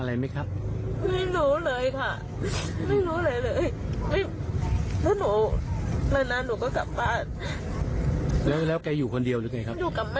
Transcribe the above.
แล้วก็ไม่เลี้ยงหัวเข้าไร้เข้าสวนแค่นี้แหละ